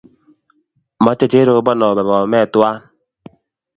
Mache Cherobon ope Bomet twai